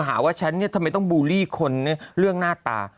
หาว่าฉันเนี่ยทำไมต้องบูลลี่คนเรื่องหน้าตา